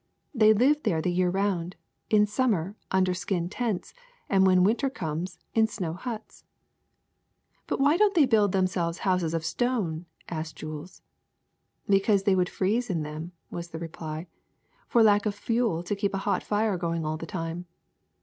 They live there the year round, in summer under skin tents, and when winter comes in snow huts." *^But why don't they build themselves houses of stone?" asked Jules. '' Because they would freeze in them," was the reply, ^^for lack of fuel to keep a hot fire going all the time.